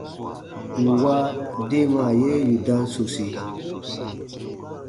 Nwa deemaa ye yù dam sosi.